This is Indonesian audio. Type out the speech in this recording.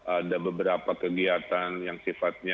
ada beberapa kegiatan yang sifatnya